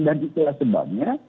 dan itulah sebabnya